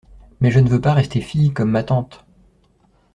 Mais je ne veux pas rester fille comme ma tante…